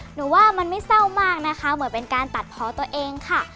หนูว่ามันไม่เศร้ามากนะคะเหมือนเป็นการตัดเพาะตัวเองค่ะ